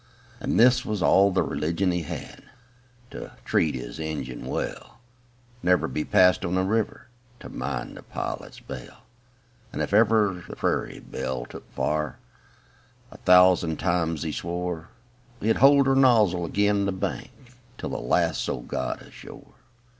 And this was all the religion he had â To treat his engines well; Never be passed on the river; To mind the pilot's bell; And if ever the Prairie Belle took fire, A thousand times he swore, He'd hold her nozzle agin the hank Till the last soul got ashore.